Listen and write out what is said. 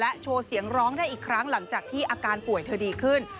โชว์เสียงร้องได้อีกครั้งหลังจากที่อาการป่วยเธอดีขึ้น